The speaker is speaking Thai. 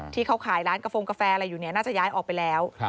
ที่เขาขายร้านกระโฟงกาแฟอะไรอยู่เนี่ยน่าจะย้ายออกไปแล้ว